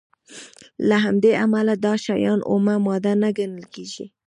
له همدې امله دا شیان اومه ماده نه ګڼل کیږي.